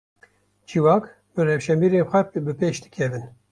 Civak, bi rewşenbîrên xwe bipêş dikevin